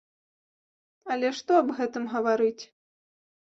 Але што аб гэтым гаварыць.